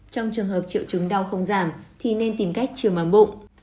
trong trường hợp triệu chứng đau không giảm thì nên tìm cách chươm ấm bụng